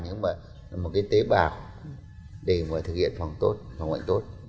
nhưng mà một cái tế bào để mà thực hiện phòng bệnh tốt